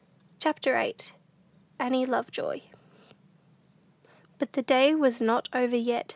CHAPTER VIII. ANNIE LOVEJOY. But the day was not over yet.